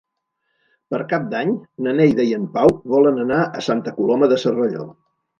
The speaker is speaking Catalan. Per Cap d'Any na Neida i en Pau volen anar a Santa Coloma de Cervelló.